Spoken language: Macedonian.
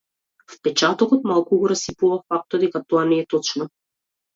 Впечатокот малку го расипува фактот дека тоа не е точно.